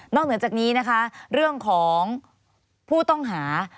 เหนือจากนี้นะคะเรื่องของผู้ต้องหา